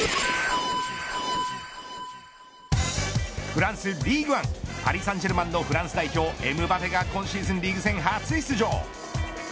フランス、リーグアンパリ・サンジェルマンのフランス代表エムバペが今シーズン、リーグ戦初出場。